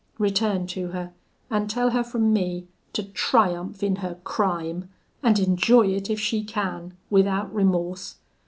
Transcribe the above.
Return to her; and tell her from me, to triumph in her crime, and enjoy it, if she can, without remorse.